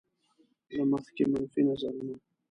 له مخکې منفي نظرونه.